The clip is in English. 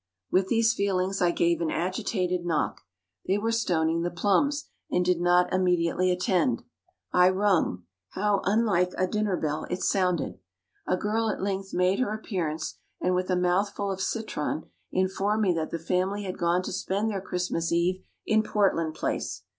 With these feelings, I gave an agitated knock they were stoning the plums, and did not immediately attend. I rung how unlike a dinner bell it sounded! A girl at length made her appearance, and, with a mouthful of citron, informed me that the family had gone to spend their Christmas Eve in Portland Place.